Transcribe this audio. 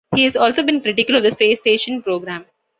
He has also been critical of the space station program.